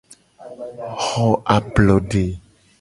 Xo ablode.